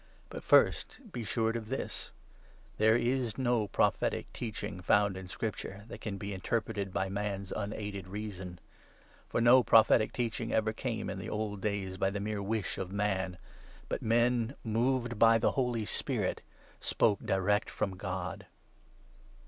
But first be assured of this :— There is no prophetic 20 teaching found in Scripture that can be interpreted by man's unaided reason ; for no prophetic teaching ever came in the 21 old days at the mere wish of man, but men, moved by the Holy Spirit, spoke direct from God.